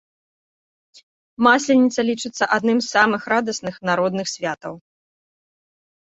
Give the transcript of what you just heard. Масленіца лічыцца адным з самых радасных народных святаў.